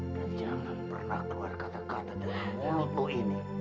dan jangan pernah keluar kata kata dari mulut lu ini